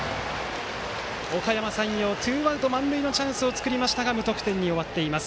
おかやま山陽ツーアウト満塁のチャンスを作りましたが無得点に終わっています。